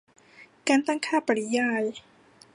การตั้งค่าปริยาย